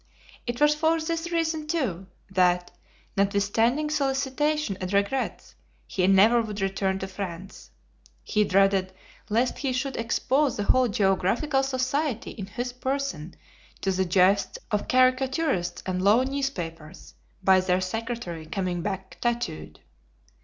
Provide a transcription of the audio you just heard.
It was for this reason too, that, notwithstanding solicitation and regrets, he never would return to France. He dreaded lest he should expose the whole Geographical Society in his person to the jests of caricaturists and low newspapers, by their secretary coming back tattooed.